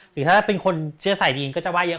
หรือถ้าเป็นคนเชื่อสายดีนก็จะไห้เยอะ